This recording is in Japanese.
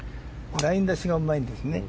ライン出しがうまいんですよね。